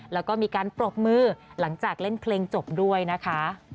แล้วก็มีการปรบมือหลังจากเล่นเพลงจบด้วยนะคะ